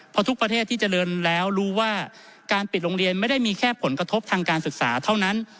เพราะทุกประเทศที่เจริญแล้วรู้ว่าการปิดโรงเรียนไม่ได้มีแค่ผลกระทบทางการศึกษาเท่านั้น